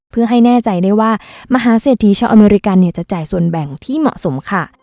เพื่อให้แน่ใจได้ว่ามหาเศรษฐีชาวอเมริกันเนี่ยจะจ่ายส่วนแบ่งที่เหมาะสมค่ะ